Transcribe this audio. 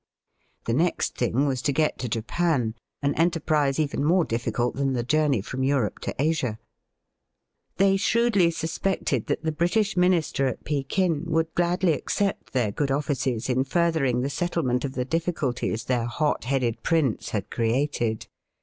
The next thing was to get to Japan, an enterprise even more difl&cult than the journey from Europe to Asia. They shrewdly sus pected that the British Minister at Pekin would gladly accept their good offices in furthering the settlement of the difficulties their hot headed prince had created.